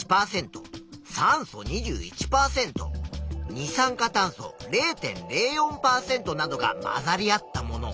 酸素２１％二酸化炭素０．０４％などが混ざり合ったもの。